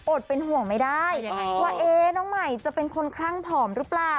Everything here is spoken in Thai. เป็นห่วงไม่ได้ว่าน้องใหม่จะเป็นคนคลั่งผอมหรือเปล่า